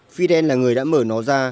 fidel là người đã mở nó ra